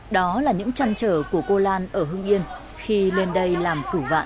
đó là những chăn trở của cô lan ở hương yên khi lên đây làm cửu vạn